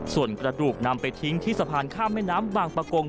ส่วนกระดูกนำไปทิ้งที่สะพานข้ามแม่น้ำบางประกง